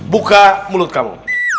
buka mulut kamu